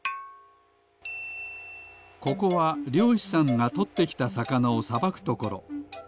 ここはりょうしさんがとってきたさかなをさばくところ。